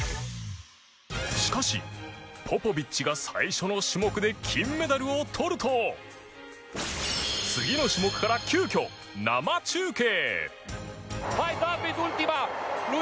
しかし、ポポビッチが最初の種目で金メダルを取ると次の種目から急きょ、生中継。